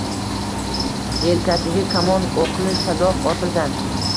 Yelkasiga kamon o‘qli sadoq osilgan.